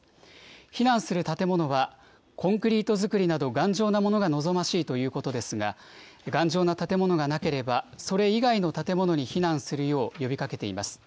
避難する建物は、コンクリート造りなど、頑丈なものが望ましいということですが、頑丈な建物がなければ、それ以外の建物に避難するよう呼びかけています。